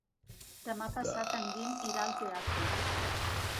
Demà passat en Guim irà al teatre.